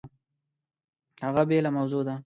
هغه بېله موضوع ده!